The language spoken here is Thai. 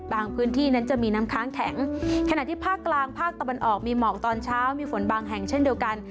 พื้นที่นั้นจะมีน้ำค้างแข็งขณะที่ภาคกลางภาคตะวันออกมีหมอกตอนเช้ามีฝนบางแห่งเช่นเดียวกัน